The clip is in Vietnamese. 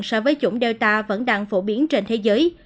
so với chủng delta vẫn đang phổ biến trên thế giới